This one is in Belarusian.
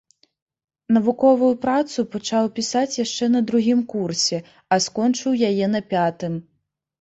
Навуковую працу пачаў пісаць яшчэ на другім курсе, а скончыў яе на пятым.